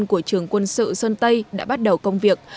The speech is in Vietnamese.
của trường quân sự sơn tây đã bắt đầu công việc